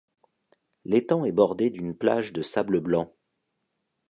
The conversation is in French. L'étang est bordé d'une plage de sable blanc.